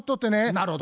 なるほど。